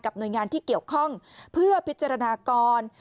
หน่วยงานที่เกี่ยวข้องเพื่อพิจารณากร